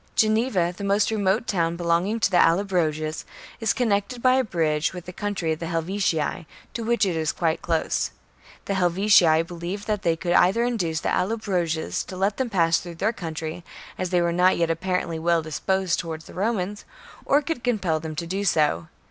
Geneva, the most remote town belonging to the Allobroges, is connected by a bridge with the country of the Helvetii, to which it is quite close. The Helvetii believed that they could either induce the Allo broges to let them pass through their country, as they were not yet apparently well disposed towards the Romans, or could compel them to do so.